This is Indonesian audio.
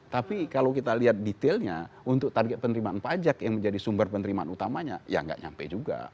tapi kalau kita lihat detailnya untuk target penerimaan pajak yang menjadi sumber penerimaan utamanya ya nggak nyampe juga